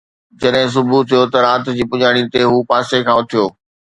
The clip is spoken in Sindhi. جڏهن صبح ٿيو ته رات جي پڄاڻيءَ تي هو پاسي کان اٿيو